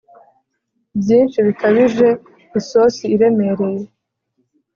byinshi bikabije isosi iremereye